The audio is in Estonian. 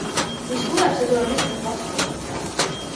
Mis tuleb, see tuleb lihtsalt vastu võtta.